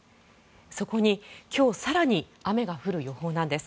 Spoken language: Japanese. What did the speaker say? そこに今日更に雨が降る予報なんです。